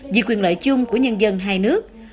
vì quyền lợi chung của nhân dân hai nước